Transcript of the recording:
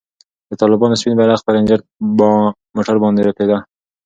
د طالبانو سپین بیرغ پر رنجر موټر باندې رپېده.